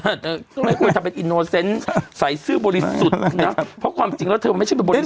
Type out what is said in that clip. ก็ไม่ควรจะเป็นใส่ซื้อบริสุทธิ์น่ะเพราะความจริงแล้วเธอมันไม่ใช่เป็น